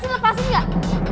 si lepasin gak